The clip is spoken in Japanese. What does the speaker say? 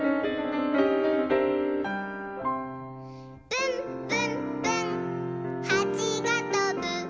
「ぶんぶんぶんはちがとぶ」